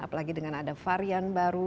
apalagi dengan ada varian baru